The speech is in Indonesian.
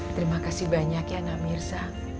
terima kasih banyak ya namirsa